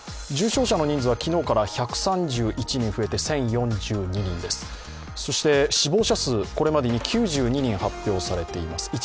重症者の人数は昨日から１３１人増えて１０４２人です、そして死亡者数、これまでに９２人発表されています。